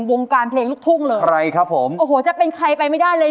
วงการเพลงลูกทุ่งเลยใครครับผมโอ้โหจะเป็นใครไปไม่ได้เลย